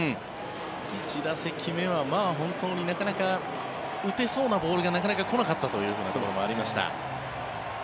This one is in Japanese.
１打席目はなかなか打てそうなボールがなかなか来なかったというところもありました。